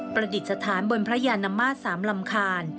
ประดิษฐานบนพระยานมาตร๓ลำคาญ